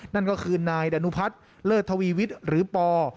นั่นก็คือนายดานุพัฒน์เลิศทวีวิทย์หรือปอ